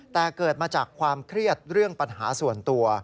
แต่เกิดมาจากความเครียดเรื่องปัญหาส่วนตัว